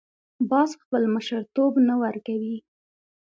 باز خپل مشرتوب نه ورکوي